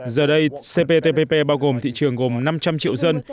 giờ đây cptpp bao gồm thị trường gồm năm trăm linh triệu dân